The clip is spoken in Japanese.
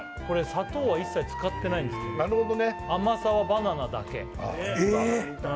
これ砂糖は一切使ってないなるほどね甘さはバナナだけえっ！？